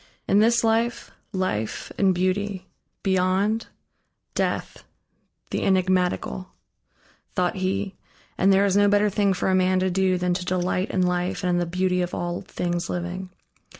"In this life, life and beauty; beyond, Death, the enigmatical" thought he, and there is no better thing for a man to do than to delight in life and in the beauty of all things living.